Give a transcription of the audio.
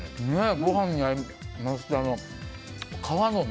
ご飯に合いますね。